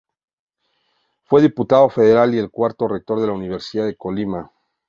Fue diputado federal y el cuarto rector de la Universidad de Colima.